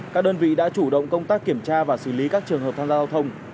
các đơn vị đã chủ động công tác kiểm tra và xử lý các trường hợp tham gia giao thông